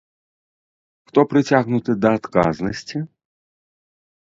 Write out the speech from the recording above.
Хто прыцягнуты да адказнасці?